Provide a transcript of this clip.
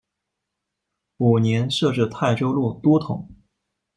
五年设置泰州路都统。